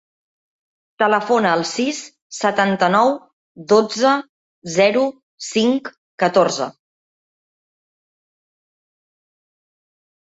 Telefona al sis, setanta-nou, dotze, zero, cinc, catorze.